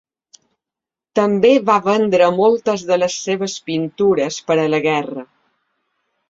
També va vendre moltes de les seves pintures per a la guerra.